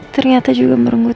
ternyata juga merenggut